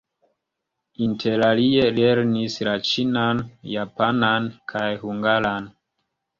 Interalie lernis la ĉinan, japanan kaj hungaran.